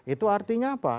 itu artinya apa